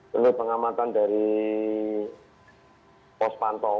menurut pengamatan dari pos pantau